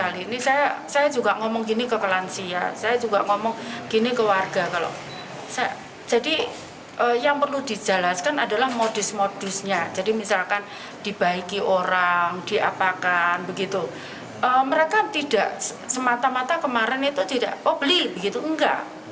risma mengingatkan mereka agar memikirkan masa depan dan meminta maaf kepada orang tua masing masing